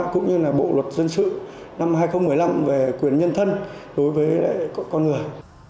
cũng như là bộ luật dân sự năm hai nghìn một mươi năm về quyền nhân thân đối với con người